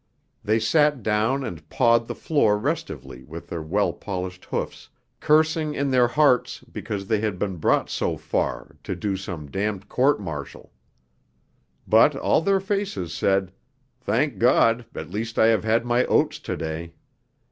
They sat down and pawed the floor restively with their well polished hoofs, cursing in their hearts because they had been brought so far 'to do some damned court martial.' But all their faces said, 'Thank God, at least I have had my oats to day.'